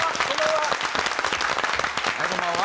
はいこんばんは。